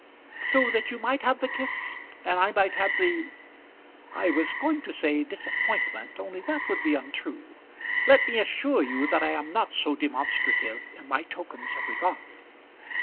"So that you might have the kiss, and I might have the ; I was going to say disappointment, only that would be untrue. Let me assure you that I am not so demonstrative in my tokens of regard."